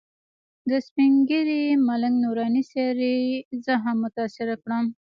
د سپین ږیري ملنګ نوراني څېرې زه هم متاثره کړم.